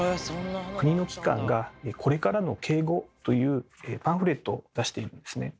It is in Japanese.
国の機関が「これからの敬語」というパンフレットを出しているんですね。